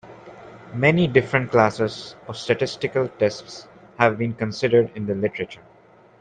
Many different classes of statistical tests have been considered in the literature.